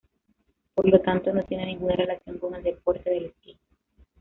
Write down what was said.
Por lo tanto, no tiene ninguna relación con el deporte del esquí.